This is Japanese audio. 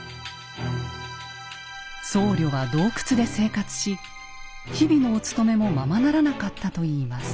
僧侶は洞窟で生活し日々のお勤めもままならなかったといいます。